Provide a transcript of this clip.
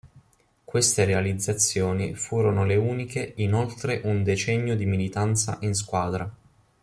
Queste realizzazioni furono le uniche in oltre un decennio di militanza in squadra.